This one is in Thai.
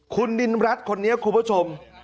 คุณนินรัฐคนนี้คุณผู้ชม